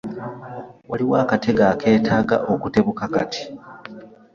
Waliwo akatego akeetaaga okutebuka kati.